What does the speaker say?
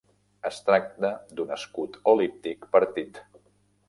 Es tracta d'un escut el·líptic partit.